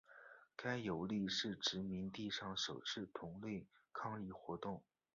该游利是殖民地上首次同类抗议活动。